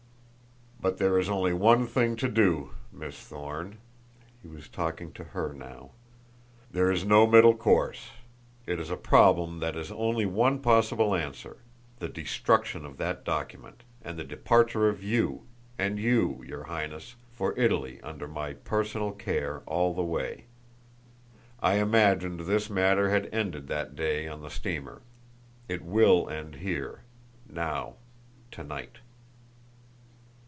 "But there is only one thing to do, Miss Thorne." He was talking to her now. "There is no middle course. It is a problem that has only one possible answer the destruction of that document, and the departure of you, and you, your Highness, for Italy under my personal care all the way. I imagined this matter had ended that day on the steamer; it will end here, now, to night."